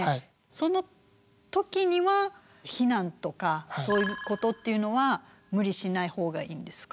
その時には避難とかそういうことっていうのは無理しない方がいいんですか？